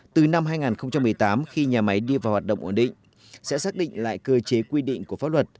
từ năm hai nghìn một mươi tám khi nhà máy đi vào hoạt động ổn định sẽ xác định lại cơ chế quy định của pháp luật